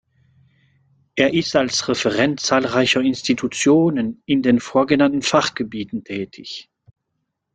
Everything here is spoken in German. Er ist als Referent zahlreicher Institutionen in den vorgenannten Fachgebieten tätig.